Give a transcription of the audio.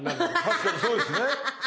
確かにそうですね。